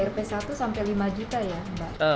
rp satu sampai lima juta ya mbak